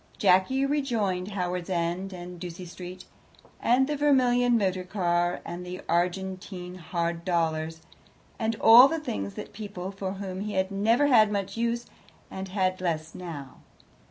Jacky rejoined Howards End and Ducie Street, and the vermilion motor car, and the Argentine Hard Dollars, and all the things and people for whom he had never had much use and had less now.